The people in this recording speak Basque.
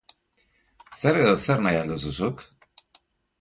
Zer edo zer nahi al duzu zuk?